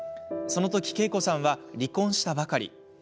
そのときケイコさんは離婚したばかり。